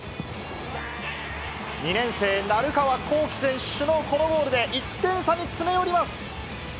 ２年生、鳴川こうき選手のこのゴールで１点差に詰め寄ります。